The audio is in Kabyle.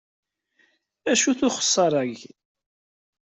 Acu-t uxessar-aki?